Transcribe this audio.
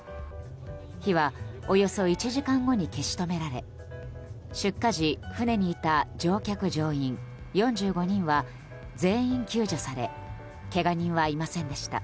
火はおよそ１時間後に消し止められ出火時、船にいた乗員・乗客４５人は全員救助されけが人はいませんでした。